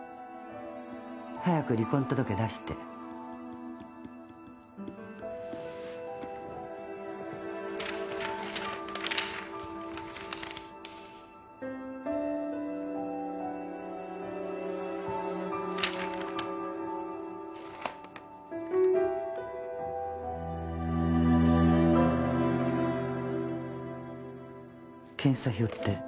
早く離婚届出して検査表って？